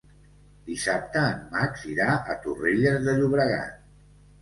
Dissabte en Max irà a Torrelles de Llobregat.